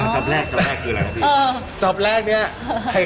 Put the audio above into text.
จอปแรกจอปแรกคืออะไรนะพี่